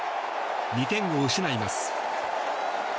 ２点を失います。